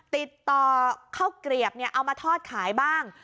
ติดต่อข้าวเกลียบเอามาทอดขายบ้าง